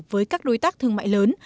với các đối tác thương mại lớn